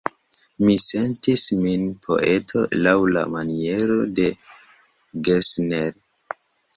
Mi sentis min poeto laŭ la maniero de Gessner.